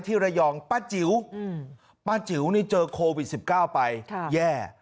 ที่ระยองป้าจิ๋วอืมป้าจิ๋วนี่เจอโควิดสิบเก้าไปค่ะแย่